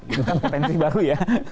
itu kan potensi baru ya